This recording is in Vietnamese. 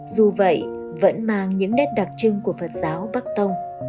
dù vậy vẫn mang những nét đặc trưng của phật giáo bắc tông